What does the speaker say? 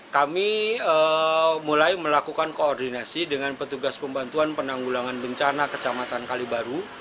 kami mulai melakukan koordinasi dengan petugas pembantuan penanggulangan bencana kecamatan kalibaru